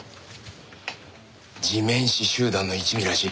地面師集団の一味らしい。